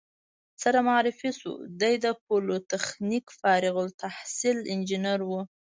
سره معرفي شوو، دی د پولتخنیک فارغ التحصیل انجینر و.